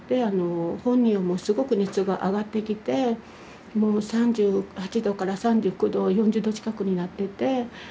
本人はもうすごく熱が上がってきてもう３８度から３９度４０度近くになってて。